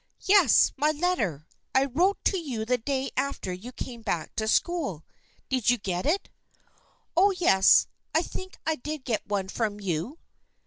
" Yes, my letter. I wrote to you the day after you came back to school. Did you get it? "" Oh, yes, I think I did get one from you."